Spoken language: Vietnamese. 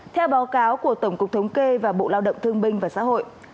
theo báo cáo của tổng cục thống kê và bộ lao động thương binh và xã hội